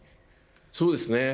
そうですね。